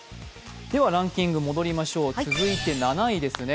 ランキング戻りましょう、続いて７位ですね。